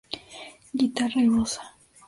Guitarra y voz.